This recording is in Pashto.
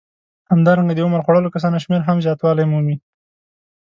همدارنګه د عمر خوړلو کسانو شمېر هم زیاتوالی مومي